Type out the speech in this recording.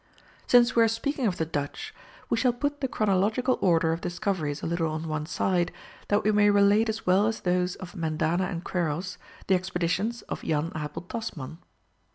Since we are speaking of the Dutch, we shall put the chronological order of discoveries a little on one side, that we may relate as well as those of Mendana and Quiros, the expeditions of Jan Abel Tasman.